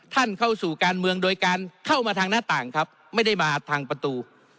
เข้าสู่การเมืองโดยการเข้ามาทางหน้าต่างครับไม่ได้มาทางประตู